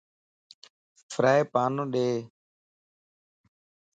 فرائي پانو ڏي